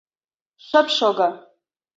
— Шып шого!